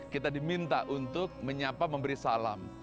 kita diminta untuk menyapa memberi salam